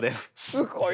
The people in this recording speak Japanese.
すごいな！